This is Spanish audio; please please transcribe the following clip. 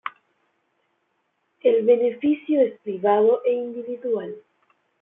El beneficio es privado e individual.